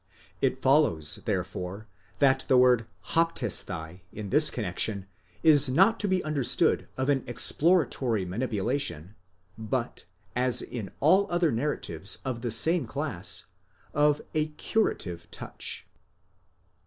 It follows, therefore, that the word ἅπτεσθαι in this connexion is not to be understood of an ex ploratory manipulation, but, as in all other narratives of the same class, of a curative touch.